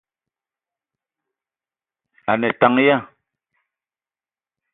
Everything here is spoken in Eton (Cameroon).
A ne tank ya ?